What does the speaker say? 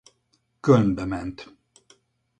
Kölnbe ment.